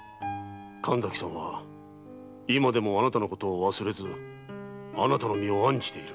神崎さんは今でもあなたのことを忘れずあなたの身を案じている。